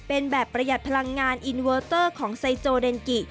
เป็นแบบประหยัดพลังงานอินเวอร์เตอร์ของไซโจเดนกิ